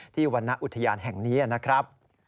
ที่วันนะอุทยานแห่งนี้นะครับ